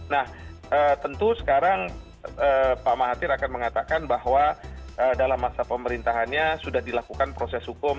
nah tentu sekarang pak mahathir akan mengatakan bahwa dalam masa pemerintahannya sudah dilakukan proses hukum